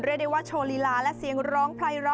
เรียกได้ว่าโชว์ลีลาและเสียงร้องไพร้อ